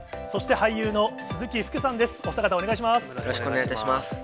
そして俳優の鈴木福さんです。